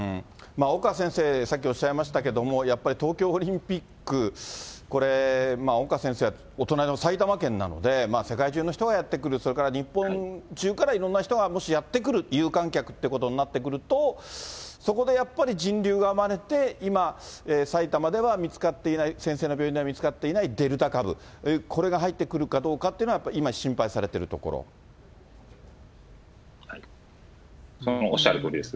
岡先生、さっきおっしゃいましたけど、やっぱり東京オリンピック、これ、岡先生はお隣の埼玉県なので、世界中の人がやって来る、それから日本中から、いろんな人がもしやって来る、有観客ということになってくると、そこでやっぱり人流が生まれて、今、埼玉では見つかっていない、先生の病院では見つかっていないデルタ株、これが入ってくるかどうかというのが、やっぱり今、心おっしゃるとおりです。